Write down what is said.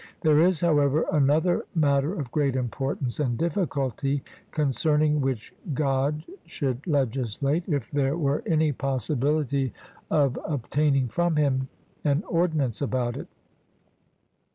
There is, however, another matter of great importance and difficulty, concerning which God should legislate, if there were any possibility of obtaining from Him an ordinance about it.